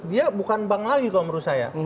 dia bukan bank lagi kalau menurut saya